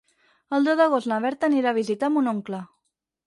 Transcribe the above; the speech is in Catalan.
El deu d'agost na Berta anirà a visitar mon oncle.